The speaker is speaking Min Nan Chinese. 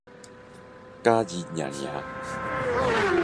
假日爾爾